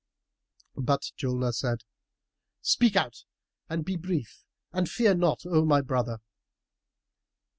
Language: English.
'" But Julnar said, "Speak out and be brief and fear not, O my brother."